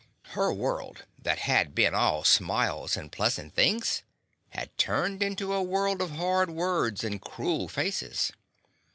Her world that had been all smiles and pleasant things had turned into a world of hard words and cruel faces.